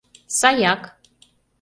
— Саяк.